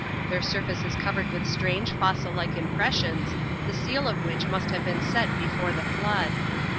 Their surface is covered witk strange fossil like impressions, the seal of which must have beea set before the flood.